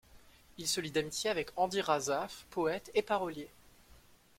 Il se lie d'amitié avec Andy Razaf, poète et parolier.